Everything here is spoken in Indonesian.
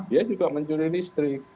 dia juga mencuri listrik